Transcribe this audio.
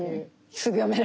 すぐ読める。